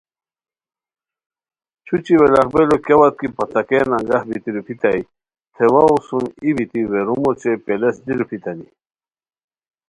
چھوچی ویلاغبیلو کیا وتکی پھتاکین انگاہ بیتی روپھیتائے تھے واوؤ سُم ای بیتی ویروم اوچے پیلیسک دی روپھیتانی